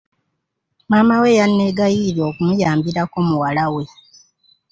Maama we yanneegayirira okumuyambirako muwala we.